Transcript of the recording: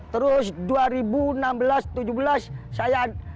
terus dua ribu enam belas dua ribu tujuh belas saya